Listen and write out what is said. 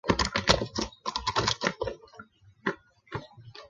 阿曼国家童军与女童军组织为阿曼的国家童军与女童军组织。